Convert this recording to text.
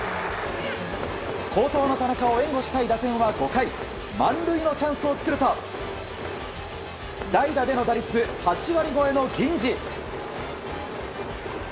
好投の田中を援護したい打線は５回満塁のチャンスを作ると代打での打率８割超えの銀次。